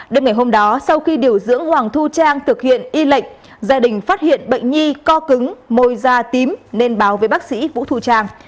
đêm ngày hôm đó sau khi điều dưỡng hoàng thu trang thực hiện y lệnh gia đình phát hiện bệnh nhi co cứng môi da tím nên báo với bác sĩ vũ thu trang